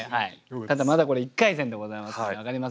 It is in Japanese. ただまだこれ１回戦でございますので分かりませんよ。